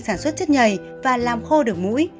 sản xuất chất nhầy và làm khô được mũi